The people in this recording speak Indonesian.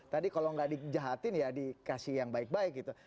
tadi kalau nggak dijahatin ya dikasih yang baik baik gitu